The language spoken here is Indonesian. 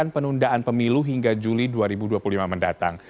penundaan pemilu hingga juli dua ribu dua puluh lima mendatang